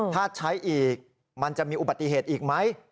ถ้าใช้อีกมันจะมีอุบัติเหตุอีกไหม